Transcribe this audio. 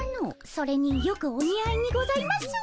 それによくお似合いにございます。